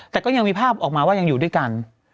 แต่ก็ยังมีภาพออกมาว่ายังอยู่ด้วยกัน